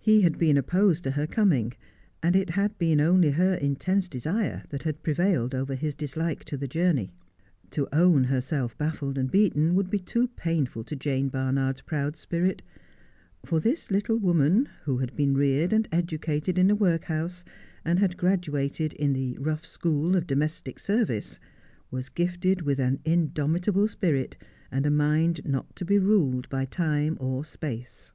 He had been opposed to her coming, and it had been only her intense desire that had prevailed over his dislike to the journey. To own herself baffled and beaten would be too painful to Jane Barnard's proud spirit ; for this little woman, who had been reared and educated in a workhouse, and had graduated in the rough school of domestic service, was gifted with an indomitable spirit, and a mind not to be ruled by time or space.